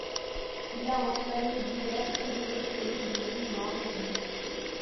Il a un fanon gulaire très développé, bleu, noir et rouge.